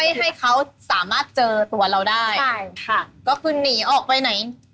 ให้ให้เขาสามารถเจอตัวเราได้ใช่ค่ะก็คือหนีออกไปไหน